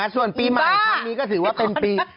ส่วนปีใหม่ครั้งนี้ก็ถือว่าเป็นปี